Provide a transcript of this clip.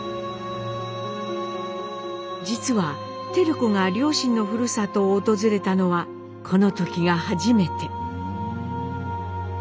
実は照子が両親のふるさとを訪れたのはこの時が初めて。